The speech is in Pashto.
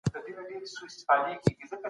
د اسلام دین موږ ته د مېلمه پالني درس راکوی.